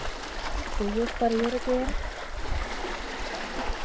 Pwy yw chwaraewr y gêm?